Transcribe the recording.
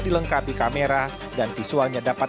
dilengkapi kamera dan visualnya dapat